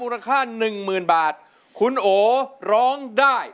ร้องใจร้องได้